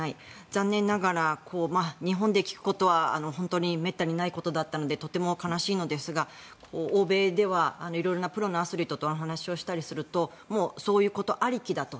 残念ながら日本で聞くことは本当にめったにないことだったのでとても悲しいのですが欧米では色々なプロのアスリートと話をしたりするとそういうことありきだと。